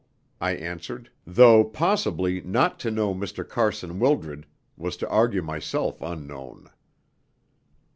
"No," I answered, though possibly not to know Mr. Carson Wildred was to argue myself unknown.